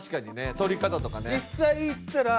撮り方とかね。